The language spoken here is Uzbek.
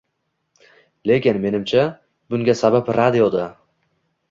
Lekin, menimcha, bunga sabab radioda.